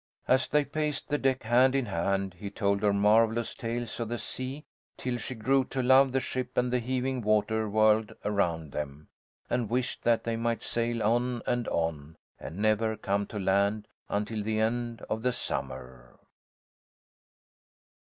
As they paced the deck hand in hand, he told her marvellous tales of the sea, till she grew to love the ship and the heaving water world around them, and wished that they might sail on and on, and never come to land until the end of the summer.